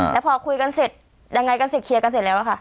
แล้วพอคุยกันเสร็จยังไงกันเสร็จเคลียร์กันเสร็จแล้วค่ะ